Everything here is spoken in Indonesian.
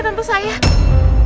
tante bango tante